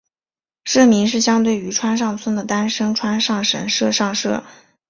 社名是相对于川上村的丹生川上神社上社。